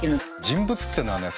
人物っていうのはね